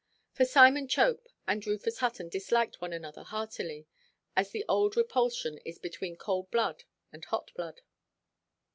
For Simon Chope and Rufus Hutton disliked one another heartily; as the old repulsion is between cold blood and hot blood.